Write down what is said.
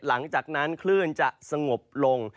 หลังจากนั้นคลื่นจะสงบลง